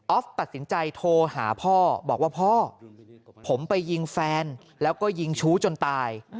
ตัดสินใจโทรหาพ่อบอกว่าพ่อผมไปยิงแฟนแล้วก็ยิงชู้จนตาย